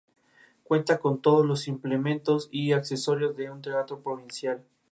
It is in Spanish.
Cuenta con todos los implementos y accesorios de un teatro provincial.